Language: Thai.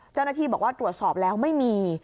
เจ้าหน้าที่บอกว่าตรวจสอบแล้วไม่มี